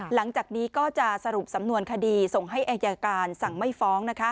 หลังจากนี้ก็จะสรุปสำนวนคดีส่งให้อายการสั่งไม่ฟ้อง